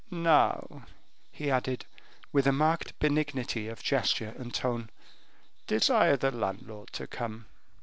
"Now," he added, with a marked benignity of gesture and tone, "desire the landlord to come."